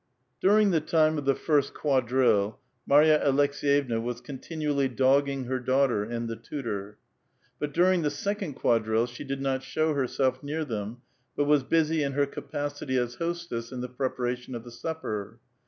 During the time of the first quadrille Marya Alcks^yevna was continually doggiug her daughter and the tutor ; but during the second quadrille she did not sliow herself near them, but was busy m her capacity as hostess in the prepa ration of the supper.